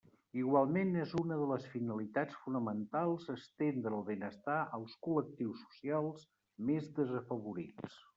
Igualment és una de les finalitats fonamentals estendre el benestar als col·lectius socials més desafavorits.